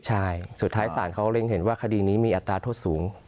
ใช่สุดท้ายศาลเขาเล็งเห็นว่าคดีนี้มีอัตราโทษสูง